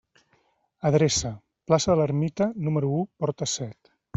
Adreça: plaça de l'Ermita, número u, porta set.